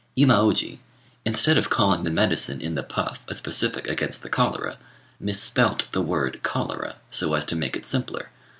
Imaôji, instead of calling the medicine in the puff a specific against the cholera, misspelt the word cholera so as to make it simpler.